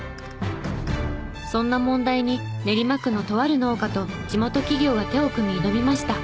そんな問題に練馬区のとある農家と地元企業が手を組み挑みました。